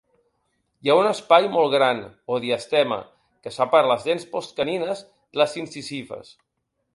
Hi ha un espai molt gran, o diastema, que separa les dents postcanines de les incisives.